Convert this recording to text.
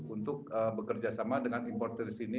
untuk bekerjasama dengan importer sini